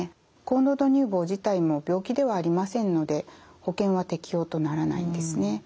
高濃度乳房自体も病気ではありませんので保険は適用とならないんですね。